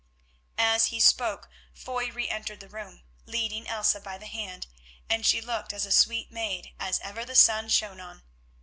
As he spoke Foy re entered the room, leading Elsa by the hand, and she looked as sweet a maid as ever the sun shone on.